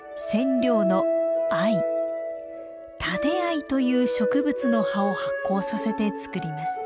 「タデアイ」という植物の葉を発酵させて作ります。